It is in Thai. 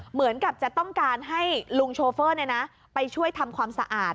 เหมือนกับจะต้องการให้ลุงโชเฟอร์ไปช่วยทำความสะอาด